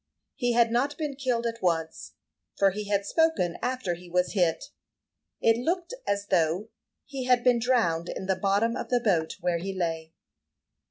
He had not been killed at once, for he had spoken after he was hit; it looked as though he had been drowned in the bottom of the boat where he lay.